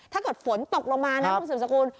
ถ้าเกิดฝนตกลงมานะคุณสืบสกุล